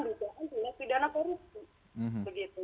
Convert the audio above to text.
dikahami dengan pidana korupsi